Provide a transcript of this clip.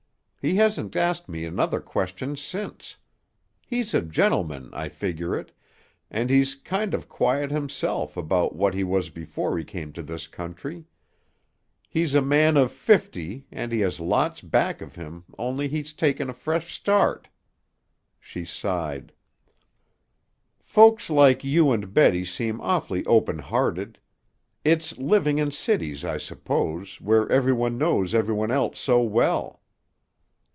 He hasn't asked me another question since. He's a gentleman, I figure it, and he's kind of quiet himself about what he was before he came to this country. He's a man of fifty and he has lots back of him only he's taken a fresh start." She sighed, "Folks like you and Betty seem awfully open hearted. It's living in cities, I suppose, where every one knows every one else so well."